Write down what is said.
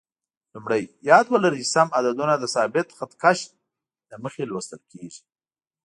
لومړی: یاد ولرئ چې سم عددونه د ثابت خط کش له مخې لوستل کېږي.